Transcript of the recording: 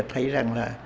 cho nên thấy rằng là